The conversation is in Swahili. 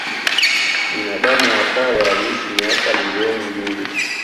Binadamu wa kale aliishi miaka milioni mbili